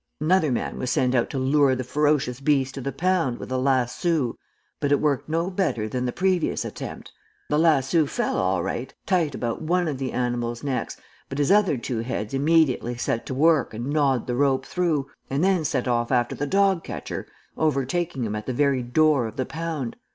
"Another man was sent out to lure the ferocious beast to the pound with a lasso, but it worked no better than the previous attempt. The lasso fell all right tight about one of the animal's necks, but his other two heads immediately set to work and gnawed the rope through, and then set off after the dog catcher, overtaking him at the very door of the pound.